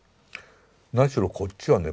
何しろこっちはね